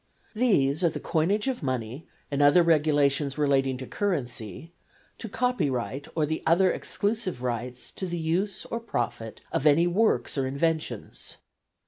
These are the coinage of money and other regulations relating to currency, to copyright or other exclusive rights to the use or profit of any works or inventions.